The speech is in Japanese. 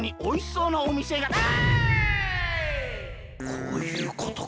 こういうことか。